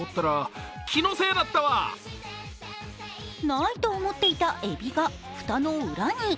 ないと思っていたえびが、蓋の裏に。